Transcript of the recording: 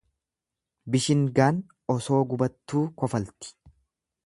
Bishingaan osoo gubattuu kofalti.